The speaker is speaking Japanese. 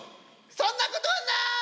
そんなことはなーい！